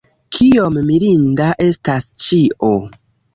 Kiom mirinda estas ĉio!